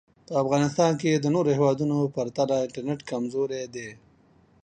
په افغانیستان کې د نورو هېوادونو پرتله انټرنټ کمزوری دی